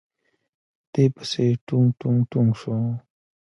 دې پسې ټونګ ټونګ ټونګ شو.